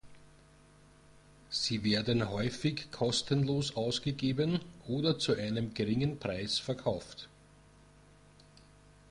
Sie werden häufig kostenlos ausgegeben oder zu einem geringen Preis verkauft.